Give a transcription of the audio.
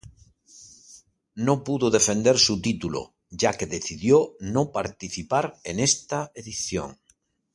No pudo defender su título ya que decidió no participar en esta edición.